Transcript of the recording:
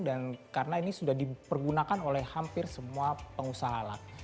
dan karena ini sudah dipergunakan oleh hampir semua pengusaha alat